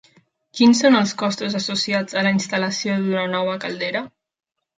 Quins són els costos associats a la instal·lació d'una nova caldera?